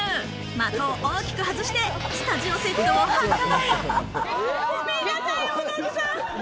的を大きく外して、スタジオセットを破壊！